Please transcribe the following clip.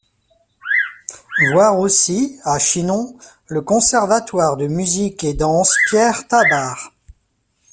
Voir aussi, à Chinon, le Conservatoire de Musique et danse Pierre Tabart.